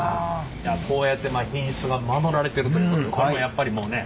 こうやって品質が守られてるということこれもやっぱりもうね。